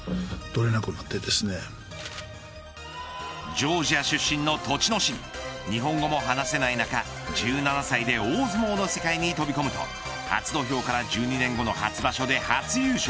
ジョージア出身の栃ノ心日本語も話せない中１７歳で大相撲の世界に飛び込むと初土俵から１２年後の初場所で初優勝。